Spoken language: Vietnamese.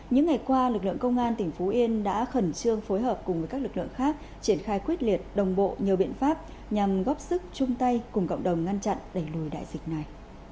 những ngày qua lực lượng công an tỉnh phú yên đã khẩn trương phối hợp cùng với các lực lượng khác triển khai quyết liệt đồng bộ nhiều biện pháp nhằm góp sức chung tay cùng cộng đồng ngăn chặn đẩy lùi đại dịch này